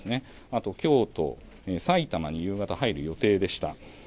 あと京都埼玉に夕方、入る予定でした。